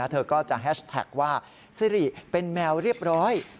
เธอก็จะแฮชแท็กว่าซิริเป็นแมวเรียบร้อย